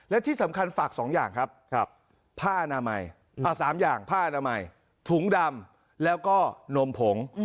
และที่สำคัญฝาก๒อย่างครับผ้าอนามัย๓อย่างผ้าอนามัยถุงดำแล้วก็นมผง